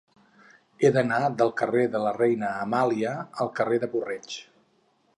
He d'anar del carrer de la Reina Amàlia al carrer de Puig-reig.